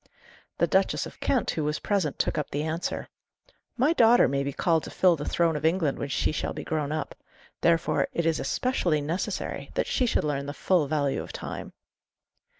The Duchess of Kent, who was present, took up the answer: 'My daughter may be called to fill the throne of England when she shall be grown up; therefore, it is especially necessary that she should learn the full value of time.